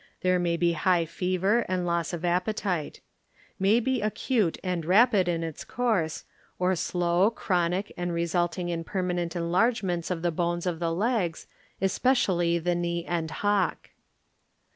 There may be high fever and loss of ap petite. May be acute and rapid in its course, or slow, chronic and resulting in permanent enlargements of the bones of the legs, especially the knee and hoti.